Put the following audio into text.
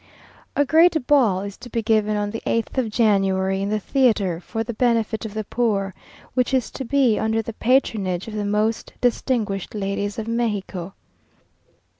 A great ball is to be given on the 8th of January, in the theatre, for the benefit of the poor, which is to be under the patronage of the most distinguished ladies of Mexico.